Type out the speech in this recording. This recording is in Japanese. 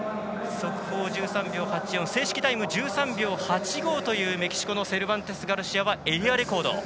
正式タイム１３秒８５というメキシコのセルバンテスガルシアはエリアレコード。